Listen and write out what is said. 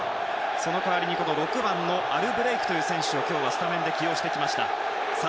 その代わりに６番のアルブレイクという選手を起用してきました。